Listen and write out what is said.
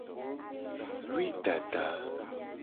Wui dada.